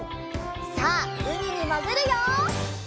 さあうみにもぐるよ！